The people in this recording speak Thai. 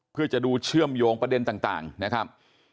เพื่อจะดูเชื่อมโยงประเด็นต่างนะครับ